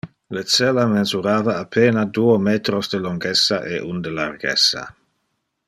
Le cella mensurava a pena duo metros de longessa e un de largessa.